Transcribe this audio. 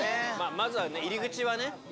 まずはね、入り口はね。